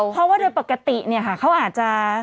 เพราะว่าโดยปกติเนี่ยค่ะเขาอาจจะ